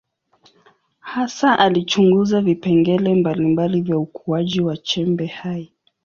Hasa alichunguza vipengele mbalimbali vya ukuaji wa chembe hai.